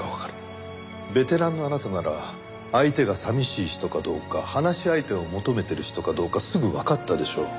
ベテランのあなたなら相手が寂しい人かどうか話し相手を求めてる人かどうかすぐわかったでしょう。